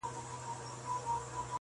جهاني قاصد راغلی ساه ختلې ده له ښاره -